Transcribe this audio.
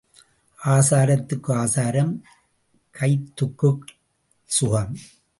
ஆசாரத்துக்கு ஆசாரம் கைத்துக்குச் சுகம்.